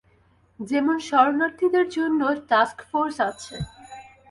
যেমন শরণার্থীদের জন্য টাস্কফোর্স আছে।